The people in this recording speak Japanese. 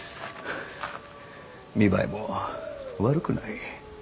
見栄えも悪くない。